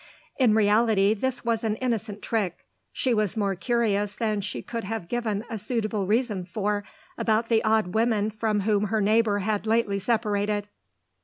In reality this was an innocent trick: she was more curious than she could have given a suitable reason for about the odd women from whom her neighbour had lately separated.